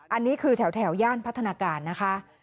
อันนี้คือแถวย่านพัฒนาการนะคะ